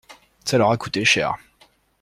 Ça leur a coûté cher.